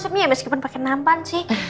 semia beskipun pakai merampan sih